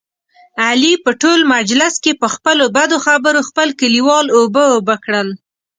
علي په ټول مجلس کې، په خپلو بدو خبرو خپل کلیوال اوبه اوبه کړل.